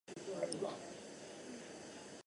霍伊克瓦尔德是德国图林根州的一个市镇。